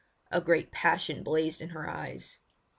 A great passion blazed in her eyes.